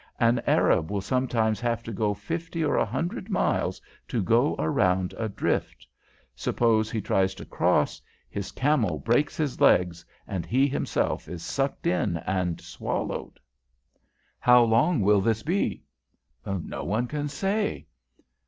An Arab will sometimes have to go fifty or a hundred miles to go round a drift. Suppose he tries to cross, his camel breaks its legs, and he himself is sucked in and swallowed." "How long will this be?" "No one can say."